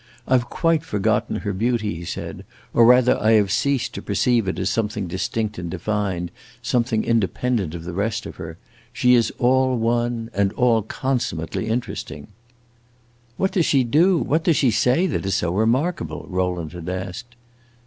"I 've quite forgotten her beauty," he said, "or rather I have ceased to perceive it as something distinct and defined, something independent of the rest of her. She is all one, and all consummately interesting!" "What does she do what does she say, that is so remarkable?" Rowland had asked.